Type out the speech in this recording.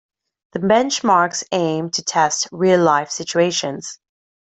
The benchmarks aim to test "real-life" situations.